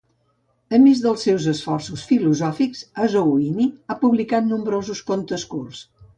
A més dels seus esforços filosòfics, Azzouni ha publicat nombrosos contes curts.